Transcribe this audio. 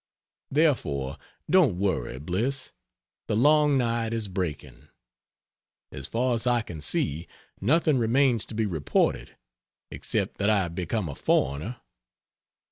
Therefore, don't worry, Bliss the long night is breaking. As far as I can see, nothing remains to be reported, except that I have become a foreigner.